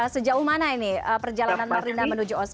sejauh mana ini perjalanan marlina menuju oscar